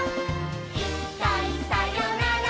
「いっかいさよなら